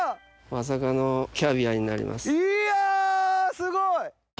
すごい。